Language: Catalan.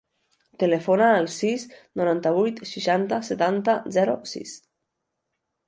Telefona al sis, noranta-vuit, seixanta, setanta, zero, sis.